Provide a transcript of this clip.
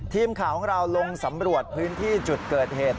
ทีมข่าวของเราลงสำรวจพื้นที่จุดเกิดเหตุ